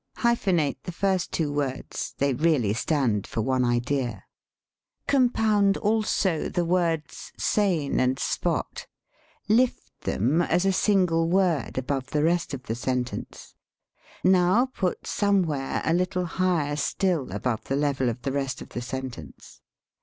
Hyphen ate the first two words (they really stand for one idea). Compound also the words sane and spol. Lift them as a single word above the rest of the sentence. Now put somewhere a little higher still above the level of the rest of the sentence.